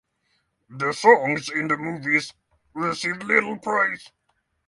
The songs in the movies received little praise.